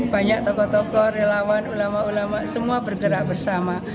banyak tokoh tokoh relawan ulama ulama semua bergerak bersama